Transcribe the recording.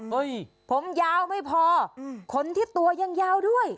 ผมยาวไม่พอขนที่ตัวยังยาวด้วย